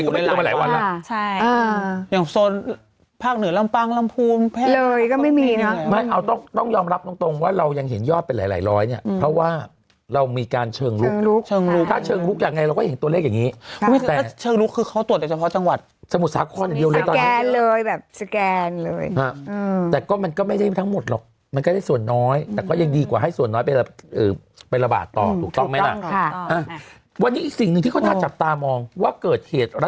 ก็ไม่มีเนาะต้องยอมรับตรงว่าเรายังเห็นยอดไปหลายร้อยเนี่ยเพราะว่าเรามีการเชิงลุกถ้าเชิงลุกอย่างไรเราก็เห็นตัวเลขอย่างนี้เชิงลุกคือเขาตรวจแต่เฉพาะจังหวัดสมุดสารข้ออย่างเดียวเลยตอนนี้สแกนเลยแบบสแกนเลยแต่ก็มันก็ไม่ได้ทั้งหมดหรอกมันก็ได้ส่วนน้อยแต่ก็ยังดีกว่าให้ส่วนน้อยไประบาด